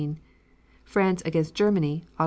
France against Germany, Aug.